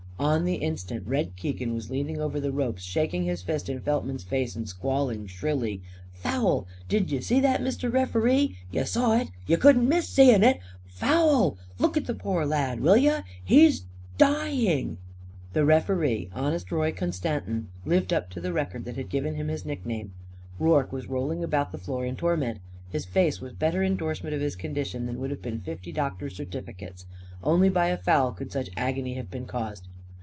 On the instant Red Keegan was leaning over the ropes, shaking his fist in Feltman's face, and squalling shrilly: "Foul! Did y'see that, Mister Referee? Y'saw it! Y'couldn't miss seeing it! FOUL! Look at the poor lad, will you? He's dying!" The referee, Honest Roy Constantin, lived up to the record that had given him his nickname. Rorke was rolling about the floor in torment. His face was better indorsement of his condition than would have been fifty doctors' certificates. Only by a foul could such agony have been caused.